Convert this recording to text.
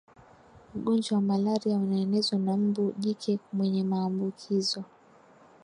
ugonjwa wa malaria unaenezwa na mbu jike mwenye maambukizo